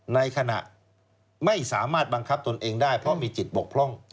ในขณะไม่สามารถบังคับตนเองได้เพราะมีจิตบกพร่อง